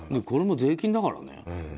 これも税金だからね。